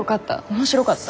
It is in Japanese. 面白かった。